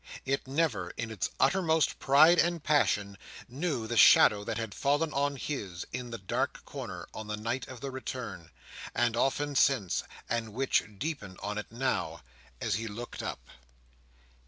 It never, in its uttermost pride and passion, knew the shadow that had fallen on his, in the dark corner, on the night of the return; and often since; and which deepened on it now, as he looked up.